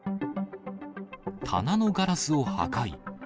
棚のガラスを破壊。